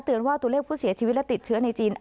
ว่าตัวเลขผู้เสียชีวิตและติดเชื้อในจีน